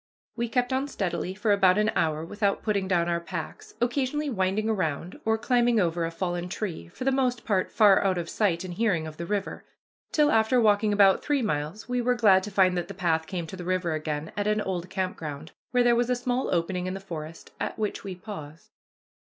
We kept on steadily for about an hour without putting down our packs, occasionally winding around or climbing over a fallen tree, for the most part far out of sight and hearing of the river; till, after walking about three miles, we were glad to find that the path came to the river again at an old camp ground, where there was a small opening in the forest, at which we paused.